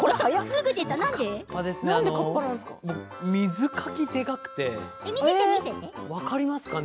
水かきが長くて分かりますかね。